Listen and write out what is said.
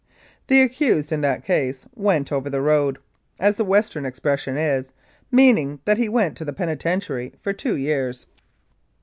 The accused in that case "went over the road" (as the Western expression is, meaning that he went to the penitentiary) for two years.